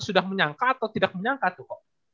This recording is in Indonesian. sudah menyangka atau tidak menyangka tuh kok